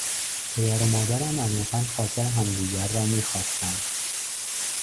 پدر و مادرم عمیقا خاطر همدیگر را میخواستند.